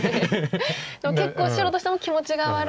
でも結構白としても気持ちが悪い。